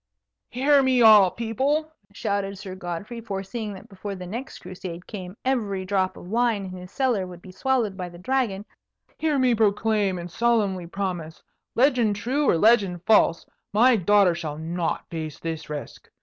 "Hear me, all people!" shouted Sir Godfrey, foreseeing that before the next Crusade came every drop of wine in his cellar would be swallowed by the Dragon; "hear me proclaim and solemnly promise: legend true or legend false, my daughter shall not face this risk.